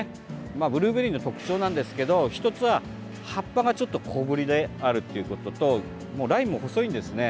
まあ、ブルーベリーの特徴なんですけど１つは葉っぱがちょっと小ぶりであることとラインも細いんですね。